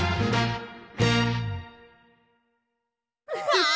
わあ！